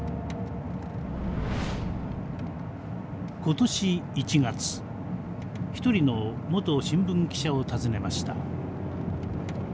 今年１月一人の元新聞記者を訪ねました。